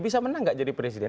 bisa menang gak jadi presiden